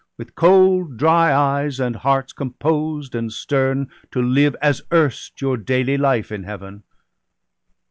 With cold dry eyes, and hearts composed and stern, To live, as erst, your daily life in Heaven.